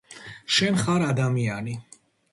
შენ ხარ ადამიანი